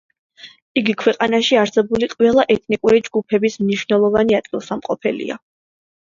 იგი ქვეყანაში არსებული ყველა ეთნიკური ჯგუფების მნიშვნელოვანი ადგილსამყოფელია.